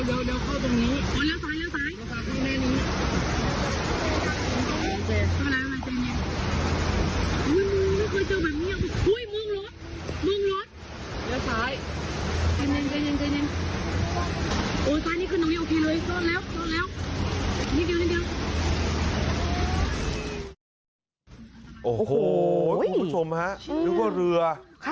โอ้โฮคุณผู้ชมครับนี่ก็เรือ